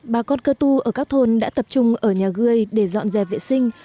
bà cốt cơ tu ở các thôn đã tập trung ở nhà gươi để dọn dẹp vệ sinh